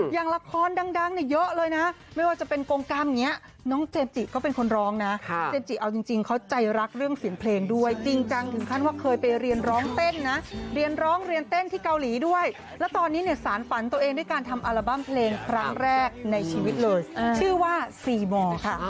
อย่างละครดังเนี่ยเยอะเลยนะไม่ว่าจะเป็นกรงกรรมอย่างนี้น้องเจมส์จิก็เป็นคนร้องนะเจมสจิเอาจริงเขาใจรักเรื่องเสียงเพลงด้วยจริงจังถึงขั้นว่าเคยไปเรียนร้องเต้นนะเรียนร้องเรียนเต้นที่เกาหลีด้วยแล้วตอนนี้เนี่ยสารฝันตัวเองด้วยการทำอัลบั้มเพลงครั้งแรกในชีวิตเลยชื่อว่าซีมอร์ค่ะ